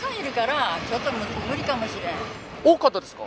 多かったですか？